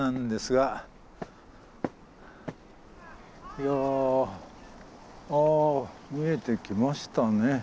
いやあ見えてきましたね。